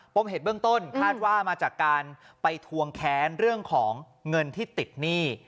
เหตุเบื้องต้นคาดว่ามาจากการไปทวงแค้นเรื่องของเงินที่ติดหนี้